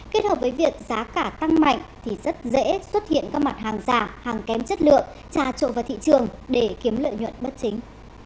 kết hợp với việc giá cả tăng mạnh thì rất dễ xuất hiện các mặt hàng giả hàng kém chất lượng trà trộn vào thị trường để kiếm lợi nhuận bất chính